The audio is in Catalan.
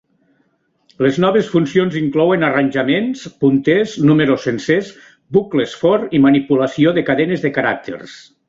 Les noves funcions inclouen arranjaments, punters, números sencers, bucles "for" i manipulació de cadenes de caràcters.